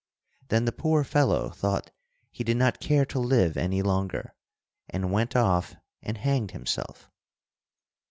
Then the poor fellow thought he did not care to live any longer, and went off and hanged himself.